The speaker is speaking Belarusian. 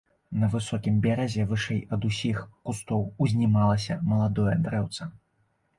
На высокім беразе вышэй ад усіх кустоў узнімалася маладое дрэўца.